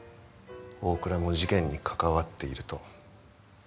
大倉も事件に関わっていると。